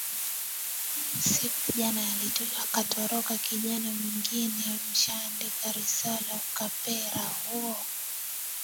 sic jana akatoroka kijana mwingine mshaandika risala ukapera huo